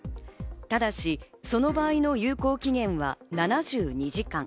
ただしその場合の有効期限は７２時間。